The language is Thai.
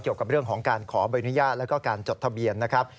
เกี่ยวกับเรื่องของการขอใบอนุญาตแล้วก็การจดทะเบียนนะครับ